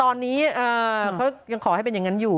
ตอนนี้เขายังขอให้เป็นอย่างนั้นอยู่